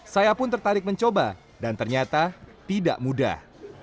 saya pun tertarik mencoba dan ternyata tidak mudah